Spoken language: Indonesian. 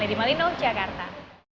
lady malino jakarta